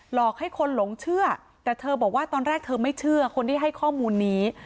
อกให้คนหลงเชื่อแต่เธอบอกว่าตอนแรกเธอไม่เชื่อคนที่ให้ข้อมูลนี้